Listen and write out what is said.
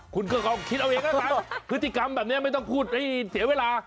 คุณก็คิดเอาเองนะครับพฤติกรรมแบบนี้ไม่ต้องพูดให้เสียเวลา